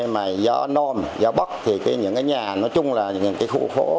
mà gió nôn gió bốc thì những cái nhà nói chung là những cái khu phố